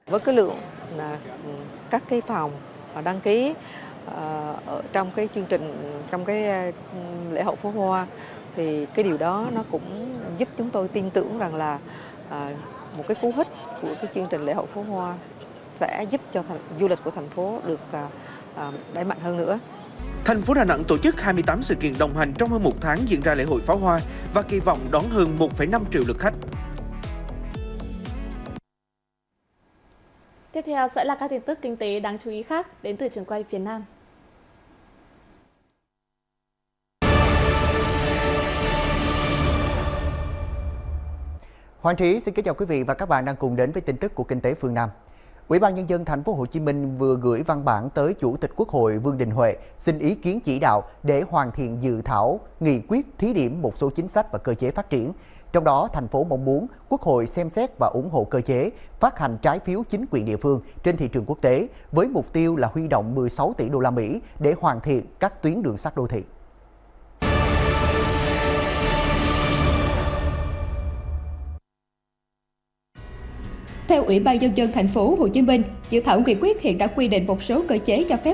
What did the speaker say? với cái lượng các cái phòng đăng ký trong cái chương trình trong cái lễ hậu pháo hoa